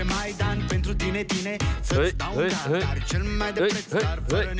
หัวแพร่แพร่โต